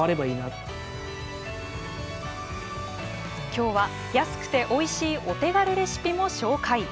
きょうは、安くておいしいお手軽レシピも紹介。